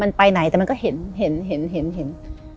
มันไปไหนแต่มันก็เห็นเห็น